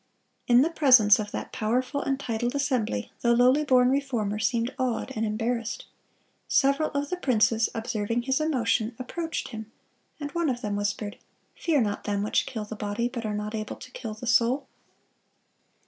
(214) In the presence of that powerful and titled assembly, the lowly born Reformer seemed awed and embarrassed. Several of the princes, observing his emotion, approached him, and one of them whispered, "Fear not them which kill the body, but are not able to kill the soul."